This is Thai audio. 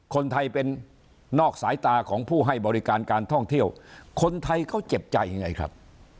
คนไทยเป็นนอกสายตาของผู้ให้บริการการท่องเที่ยวคนไทยเขาเจ็บใจยังไงครับ